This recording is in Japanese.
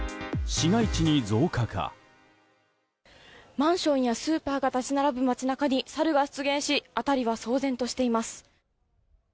マンションやスーパーが立ち並ぶ街中にサルが出現し辺りは騒然としています。